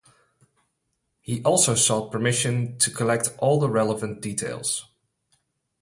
He also sought permission to collect all the relevant details.